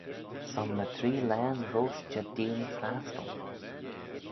Son ny tree laghyn roish Jerdein Frastyl.